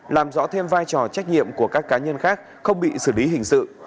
làm rõ thêm vai trò trách nhiệm của các cá nhân khác không bị xử lý hình sự